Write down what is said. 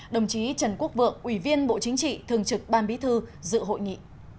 đồng chí trần quốc vượng ủy viên bộ chính trị thường trực ban bí thư dự hội nghị